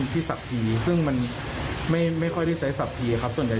ทั้งนั้นเลย